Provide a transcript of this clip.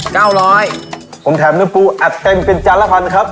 ผมแถมเนื้อปูอัดเต็มเป็นจานละพันครับ